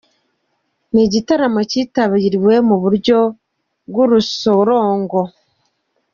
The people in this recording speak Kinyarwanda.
Ni igitaramo cyitabiriwe mu buryo bw’urusorongo.